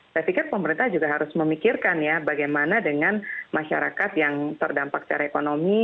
saya pikir pemerintah juga harus memikirkan ya bagaimana dengan masyarakat yang terdampak secara ekonomi